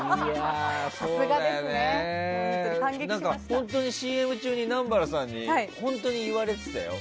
本当にＣＭ中に南原さんに言われてたよ。